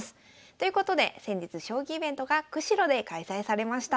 ということで先日将棋イベントが釧路で開催されました。